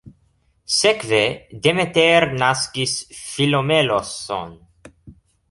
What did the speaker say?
Sekve Demeter naskis Philomelos-on.